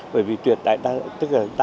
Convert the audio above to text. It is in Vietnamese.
bởi vì tuyệt đại đa số diện tích rừng hiện nay